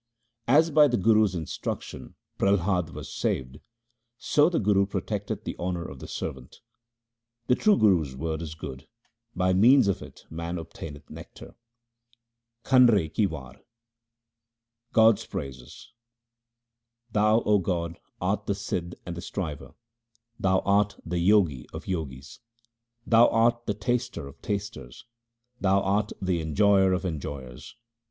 As by the guru's instruction Prahlad was saved, so the Guru protecteth the honour of the servant. The true Guru's word is good ; by means of it man obtaineth nectar. Kanre ki War God's praises :— Thou O God, art the Sidh and the Striver ; Thou art the Jogi of Jogis. Thou art the Taster of tasters ; Thou art the En j oyer of enjoyers.